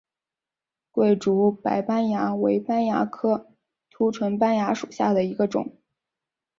桂竹白斑蚜为斑蚜科凸唇斑蚜属下的一个种。